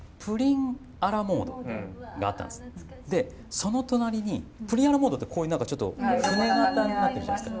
その隣にプリンアラモードってこういう何かちょっと船形になってるじゃないですか。